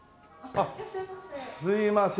あっすいません。